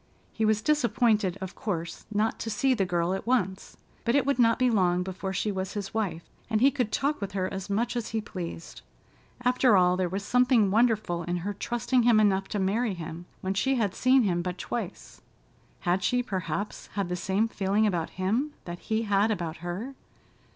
He was disappointed, of course, not to see the girl at once, but it would not be long before she was his wife, and he could talk with her as much as he pleased. After all, there was something wonderful in her trusting him enough to marry him, when she had seen him but twice. Had she, perhaps, had the same feeling about him that he had about her?